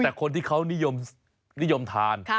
แต่คนที่เขานิยมทาน